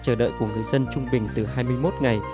chờ đợi của người dân trung bình từ hai mươi một ngày